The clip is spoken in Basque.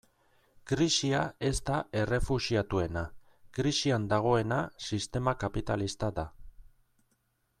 Krisia ez da errefuxiatuena, krisian dagoena sistema kapitalista da.